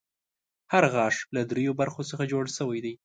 هر غاښ له دریو برخو څخه جوړ شوی دی.